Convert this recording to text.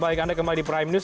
baik anda kembali di prime news